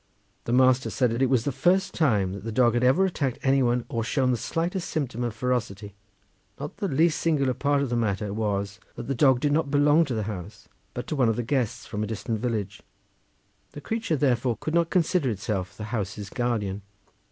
The master said that it was the first time the dog had ever attacked any one or shown the slightest symptom of ferocity. Not the least singular part of the matter was, that the dog did not belong to the house, but to one of the guests from a distant village; the creature therefore could not consider itself the house's guardian."